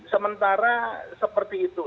sementara seperti itu